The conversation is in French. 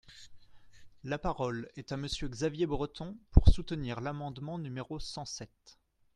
La parole est à Monsieur Xavier Breton, pour soutenir l’amendement numéro cent sept.